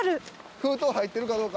封筒入ってるかどうか。